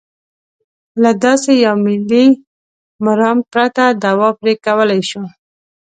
له داسې یوه ملي مرام پرته دوا پرې کولای شو.